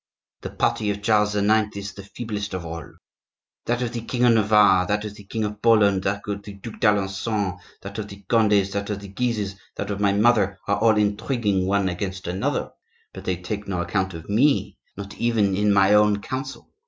The party of Charles IX. is the feeblest of all. That of the king of Navarre, that of the king of Poland, that of the Duc d'Alencon, that of the Condes, that of the Guises, that of my mother, are all intriguing one against another, but they take no account of me, not even in my own council.